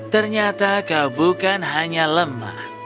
ternyata kau bukan hanya lemah